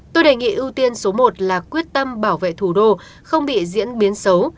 tôi đề nghị ưu tiên số một là quyết tâm bảo vệ thủ đô không bị diễn biến xấu